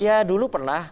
ya dulu pernah